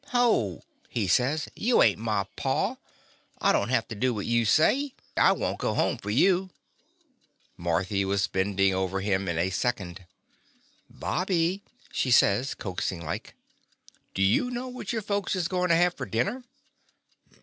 "Ho!" he says, "You ain't my pa. I don't have to do what you say! I won't go home for you !" Marthy was bendin' over him in a second. "Bobby," she says, coaxing like, "do you know what your folks is going to have for dinner*?"